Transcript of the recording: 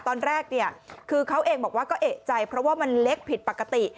ตอนแรกเนี่ยคือเขาเองบอกว่าก็เอกใจเพราะว่ามันเล็กผิดปกติ